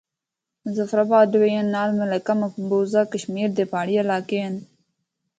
مظفرٓاباد ڈویژن نال ملحقہ مقبوضہ کشمیر دے پہاڑی علاقے ہن۔